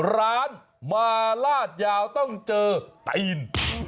ร้านมาลาดยาวต้องเจอตีน